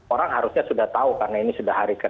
orang harusnya sudah tahu karena ini sudah hari ke enam